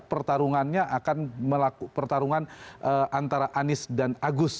pertarungannya akan melakukan pertarungan antara anies dan agus